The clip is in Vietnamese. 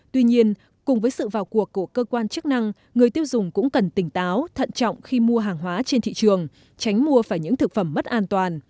tuy nhiên cùng với sự vào cuộc của cơ quan chức năng người tiêu dùng cũng cần tỉnh táo thận trọng khi mua hàng hóa trên thị trường tránh mua phải những thực phẩm mất an toàn